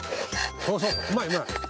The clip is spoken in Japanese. そうそううまいうまい。